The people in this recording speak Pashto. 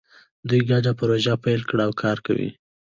دوی ګډه پروژه پیل کړې او کار کوي